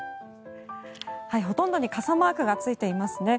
ほとんどに傘マークがついていますね。